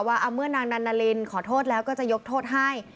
ว่าเมื่อนางนันนารินขอโทษแล้วก็จะยกโทษให้